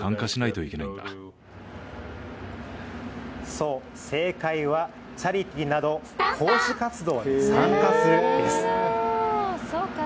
そう、正解はチャリティーなど奉仕活動に参加するです。